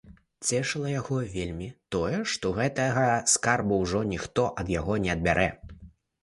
Цешыла яго вельмі тое, што гэтага скарбу ўжо ніхто ад яго не адбярэ.